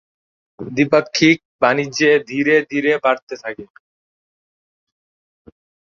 দ্বিপাক্ষিক বাণিজ্য ধীরে ধীরে বাড়তে থাকে।